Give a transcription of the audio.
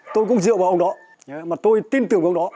tôi cũng dựa vào ông đó mà tôi tin tưởng ông đó